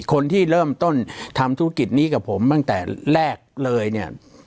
คนที่เริ่มต้นทำธุรกิจนี้กับผมตั้งแต่แรกเลยเนี่ย